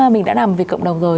mình đã làm việc cộng đồng rồi